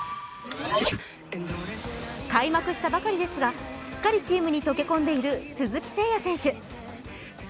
開幕したばかりですがすっかりチームに溶け込んでいる鈴木誠也選手。